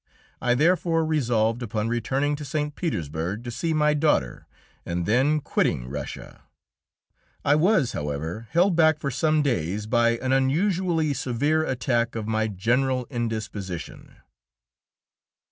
I therefore resolved upon returning to St. Petersburg to see my daughter and then quitting Russia. I was, however, held back for some days by an unusually severe attack of my general indisposition.